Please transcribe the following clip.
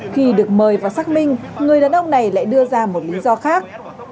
khi được mời và xác minh người đàn ông này lại đưa ra một lý do khác